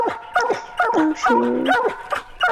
当时何无忌亦推荐了刘穆之给刘裕作为主簿。